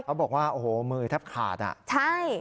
เขาบอกว่าโอ้โหมือทับขาดน่ะอ่ะ